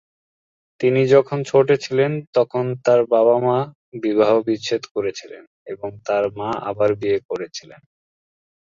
তিনি যখন ছোট ছিলেন তখন তার বাবা-মা বিবাহবিচ্ছেদ করেছিলেন এবং তার মা আবার বিয়ে করেছিলেন।